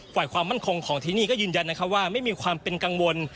ความมั่นคงของที่นี่ก็ยืนยันนะครับว่าไม่มีความเป็นกังวล